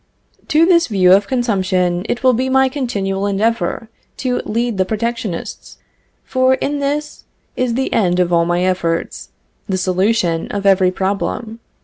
To this view of consumption, it will be my continual endeavor to lead the protectionists; for in this is the end of all my efforts, the solution of every problem.